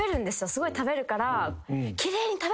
すごい食べるから。